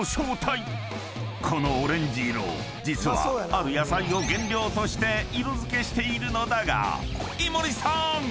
［このオレンジ色実はある野菜を原料として色付けしているのだが井森さーん！